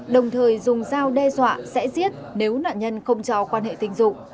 đồng thời dùng dao đe dọa sẽ giết nếu nạn nhân không cho quan hệ tình dục